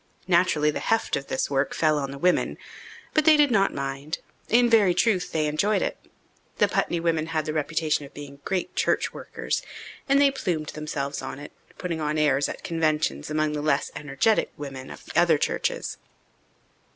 Naturally the "heft" of this work fell on the women, but they did not mind in very truth, they enjoyed it. The Putney women had the reputation of being "great church workers," and they plumed themselves on it, putting on airs at conventions among the less energetic women of the other churches.